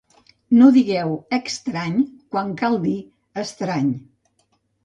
No digueu Extrany, quan cal dir Estrany